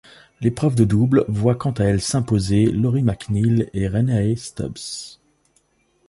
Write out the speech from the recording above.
L'épreuve de double voit quant à elle s'imposer Lori McNeil et Rennae Stubbs.